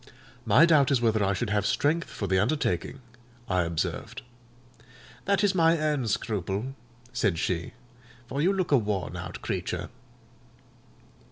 "My doubt is whether I should have strength for the undertaking," I observed. "That is my own scruple," said she; "for you look a worn out creature."